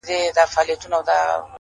سیاه پوسي ده ـ مرگ خو یې زوی دی ـ